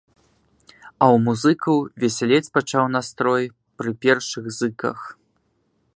А ў музыкаў весялець пачаў настрой пры першых зыках.